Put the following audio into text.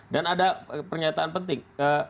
dan ada pernyataan penting